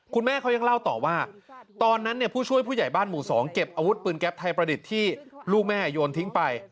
คุณแม่เขายังเล่าต่อว่าตอนนั้นผู้ช่วยผู้ใหญ่บ้านหมู่๒เก็บอาวุธปืนแก๊ปไทยประดิษฐ์ที่ลูกแม่โยนทิ้งไป